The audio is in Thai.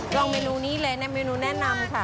ลองเมนูนี้เลยในเมนูแนะนำค่ะ